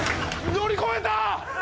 乗り越えた！